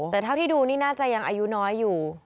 แต่เท่าที่ดูนี่น่าจะยังอายุน้อยอยู่